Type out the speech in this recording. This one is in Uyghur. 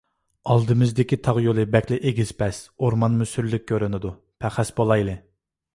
ئالدىمىزدىكى تاغ يولى بەكلا ئېگىز - پەس، ئورمانمۇ سۈرلۈك كۆرۈنىدۇ. پەخەس بولايلى.